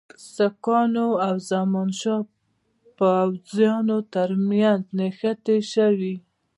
سیکهانو او د زمانشاه پوځونو ترمنځ نښتې سوي.